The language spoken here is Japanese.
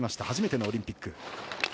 初めてのオリンピック。